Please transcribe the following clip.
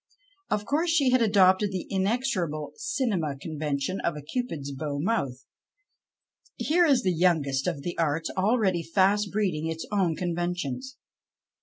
Of course she had adopted the inexorable " cinema " convention of a '* Cupid's bow " mouth. Here is the youngest of the arts already fast breeding its own conventions.